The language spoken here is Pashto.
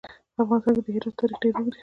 په افغانستان کې د هرات تاریخ ډېر اوږد دی.